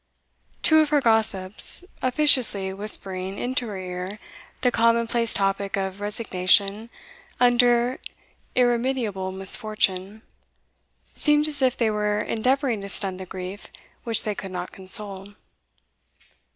Two of her gossips, officiously whispering into her ear the commonplace topic of resignation under irremediable misfortune, seemed as if they were endeavouring to stun the grief which they could not console.